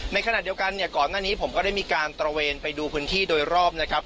ในขณะเดียวกันเนี่ยก่อนหน้านี้ผมก็ได้มีการตระเวนไปดูพื้นที่โดยรอบนะครับ